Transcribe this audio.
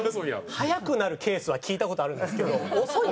早くなるケースは聞いた事あるんですけど遅いんですか？